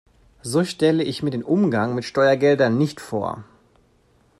So stelle ich mir den Umgang mit Steuergeldern nicht vor.